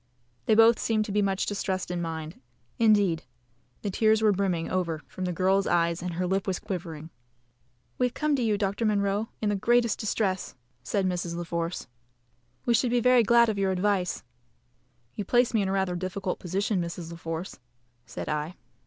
They both seemed to be much distressed in mind indeed, the tears were brimming over from the girl's eyes, and her lip was quivering. "We have come to you, Doctor Munro, in the greatest distress," said Mrs. La Force; "we should be very glad of your advice." "You place me in rather a difficult position, Mrs. La Force," said I.